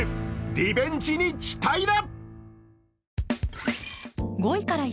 リベンジに期待だ。